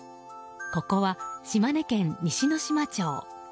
ここは島根県西ノ島町。